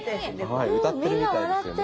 はい歌ってるみたいですよね。